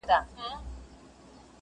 o يوه مور خرڅوله، بل په پور غوښتله!